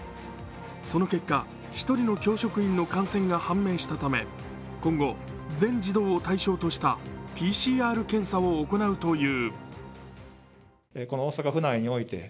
その結果、１人の教職員の感染が判明したため今後、全児童を対象としたＰＣＲ検査を行うという。